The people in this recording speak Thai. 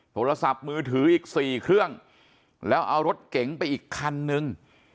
โทรศัพท์มือถืออีก๔เครื่องแล้วเอารถเก๋งไปอีกคันนึง